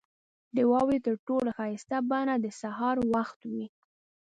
• د واورې تر ټولو ښایسته بڼه د سهار وخت وي.